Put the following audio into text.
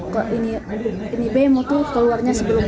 kalau ini bemo tuh keluarnya sebelum